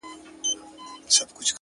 له غرونو واوښتم!! خو وږي نس ته ودرېدم !!